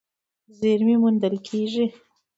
زېرمې موندل کېږي.